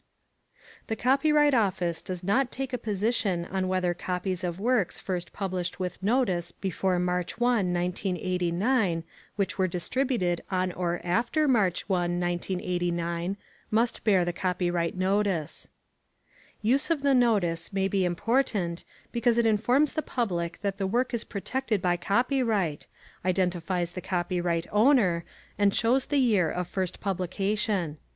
The Copyright Office does not take a position on whether copies of works first published with notice before March 1, 1989, which are distributed on or after March 1, 1989, must bear the copyright notice. Use of the notice may be important because it informs the public that the work is protected by copyright, identifies the copyright owner, and shows the year of first publication.